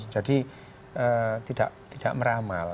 jadi tidak meramal